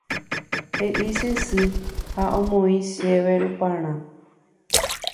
He'i che sy ha omoĩ chéve che ruparã.